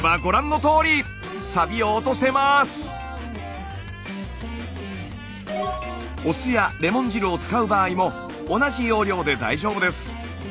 お酢やレモン汁を使う場合も同じ要領で大丈夫です。